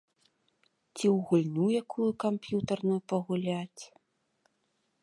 Ці ў гульню якую камп'ютарную пагуляць.